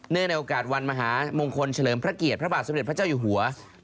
ในโอกาสวันมหามงคลเฉลิมพระเกียรติพระบาทสมเด็จพระเจ้าอยู่หัว